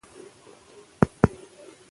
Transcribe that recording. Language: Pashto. پښتو زموږ تر ټولو لویه کلتوري پانګه ده.